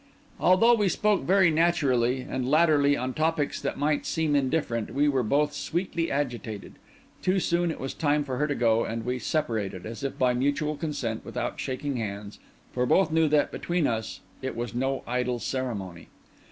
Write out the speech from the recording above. Although we spoke very naturally, and latterly on topics that might seem indifferent, we were both sweetly agitated. Too soon it was time for her to go; and we separated, as if by mutual consent, without shaking hands, for both knew that, between us, it was no idle ceremony.